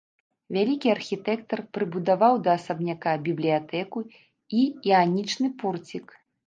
Вялікі архітэктар прыбудаваў да асабняка бібліятэку і іанічны порцік.